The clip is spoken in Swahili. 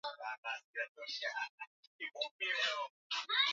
mwa maisha yake Petro akawa shahidi wa damu kwa Bwana wake kule